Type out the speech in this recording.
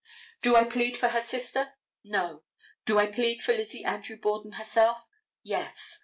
Do I plead for her sister? No. Do I plead for Lizzie Andrew Borden herself? Yes.